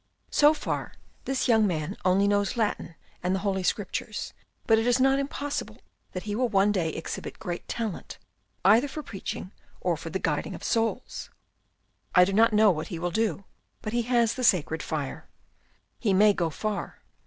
So far this young man only knows Latin and the Holy Scriptures, but it is not impossible that he will one day exhibit great talent, either for preaching or the guiding of souls. I do not know what he will do, but he has the sacred fire. He may go far.